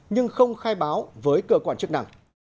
nhưng không khai báo với cửa quản chức năng